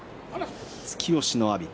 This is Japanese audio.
突き押しの阿炎。